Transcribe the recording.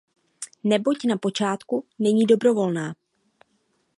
Neboť na počátku není dobrovolná.